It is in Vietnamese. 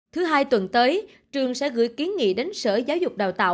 thứ hai tuần tới trường sẽ gửi kiến nghị đến sở giáo dục đào tạo